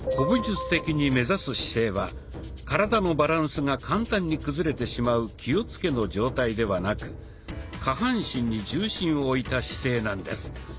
武術的に目指す姿勢は体のバランスが簡単に崩れてしまう「気をつけ」の状態ではなく下半身に重心を置いた姿勢なんです。